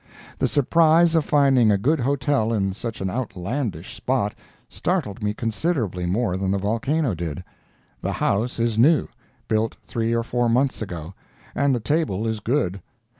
The surprise of finding a good hotel in such an outlandish spot startled me considerably more than the volcano did. The house is new—built three or four months ago—and the table is good.